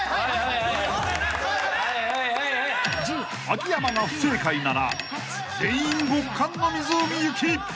［秋山が不正解なら全員極寒の湖行き］